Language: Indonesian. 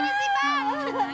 kok hiburannya begini sih pak